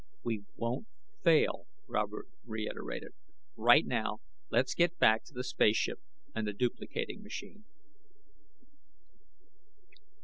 "We won't fail," Robert reiterated. "Right now, let's get back to the space ship and the duplicating machine."